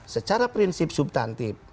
secara prinsip subtantif